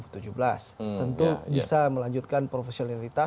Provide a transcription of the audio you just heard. tentu bisa melanjutkan profesionalitas